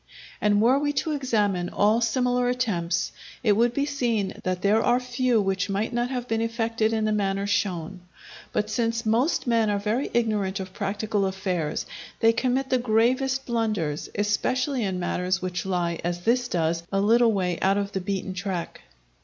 And were we to examine all similar attempts, it would be seen that there are few which might not have been effected in the manner shown. But since most men are very ignorant of practical affairs, they commit the gravest blunders, especially in matters which lie, as this does, a little way out of the beaten track.